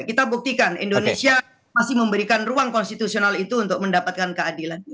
kita buktikan indonesia masih memberikan ruang konstitusional itu untuk mendapatkan keadilan